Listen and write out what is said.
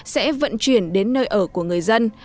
sẽ vận chuyển đến nơi ở của người dân